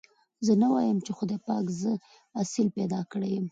زه نه وايم چې خدای پاک زه اصيل پيدا کړي يم.